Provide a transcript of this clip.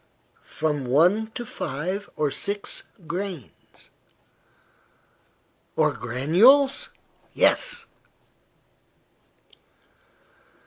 "From one to five or six grains." "Or granules?" "Yes."